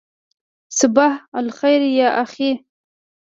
صباح الخیر یا اخی.